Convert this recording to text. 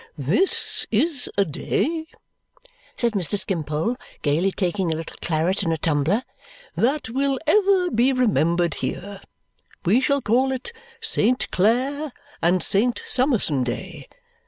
"This is a day," said Mr. Skimpole, gaily taking a little claret in a tumbler, "that will ever be remembered here. We shall call it Saint Clare and Saint Summerson day.